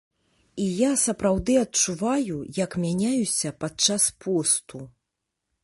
І я сапраўды адчуваю, як мяняюся падчас посту.